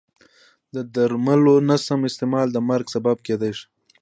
د درملو نه سم استعمال د مرګ سبب کېدای شي.